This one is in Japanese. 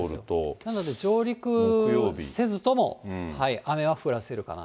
だから上陸せずとも雨は降らせるかなと。